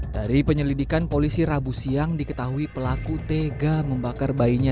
dari penyelidikan polisi rabu siang diketahui pelaku tega membakar bayinya